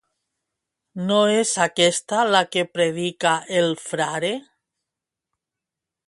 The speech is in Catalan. No és aquesta la que predica el frare.